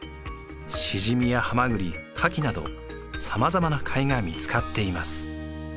シジミやハマグリカキなどさまざまな貝が見つかっています。